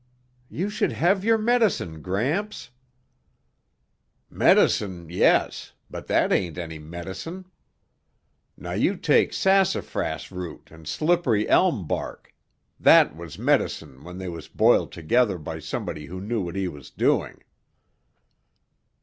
"You should have your medicine, Gramps." "Medicine, yes, but that ain't any medicine. Now you take sassafras root and slippery elm bark; that was medicine when they was boiled together by somebody who knew what he was doing."